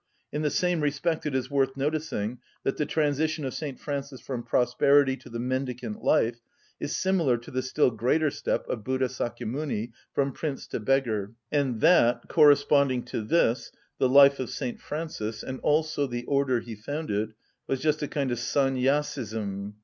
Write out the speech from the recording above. In the same respect it is worth noticing that the transition of St. Francis from prosperity to the mendicant life is similar to the still greater step of Buddha Sakya Muni from prince to beggar, and that, corresponding to this, the life of St. Francis, and also the order he founded, was just a kind of Sannyasiism.